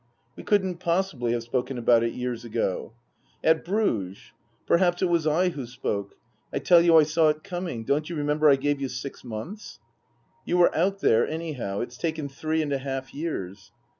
" We couldn't possibly have spoken about it years ago." " At Bruges. Perhaps it was I who spoke. I tell you I saw it coming. Don't you remember I gave you six months." " You were out there, anyhow. It's taken three and a half years."